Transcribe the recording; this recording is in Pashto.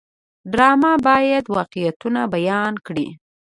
ډرامه باید واقعیتونه بیان کړي